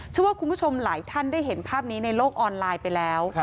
เชื่อว่าคุณผู้ชมหลายท่านได้เห็นภาพนี้ในโลกออนไลน์ไปแล้ว